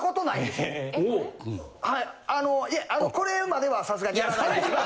あのいやこれまではさすがにやらないですが。